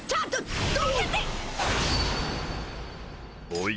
おい！